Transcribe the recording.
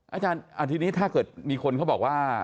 อาจารย์ทีนี้ถ้าเกิดมีคนเขาบอกว่า